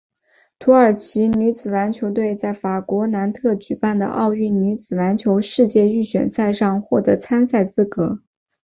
土耳其女子篮球队在法国南特举办的奥运女子篮球世界预选赛上获得参赛资格。